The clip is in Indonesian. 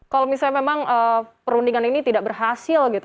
kalau misalnya memang perundingan ini tidak berhasil gitu